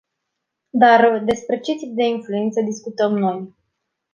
Dar, despre ce tip de influență discutăm noi?